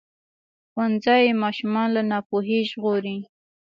ښوونځی ماشومان له ناپوهۍ ژغوري.